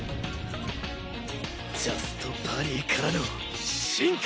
「ジャストパリィ」からの進化。